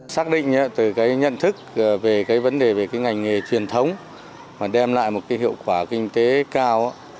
xác định từ cái nhận thức về cái vấn đề về cái ngành nghề truyền thống mà đem lại một cái hiệu quả kinh tế cao